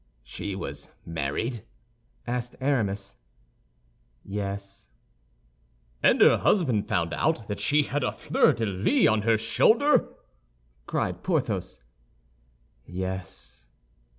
"She was married?" asked Aramis. "Yes." "And her husband found out that she had a fleur de lis on her shoulder?" cried Porthos. "Yes."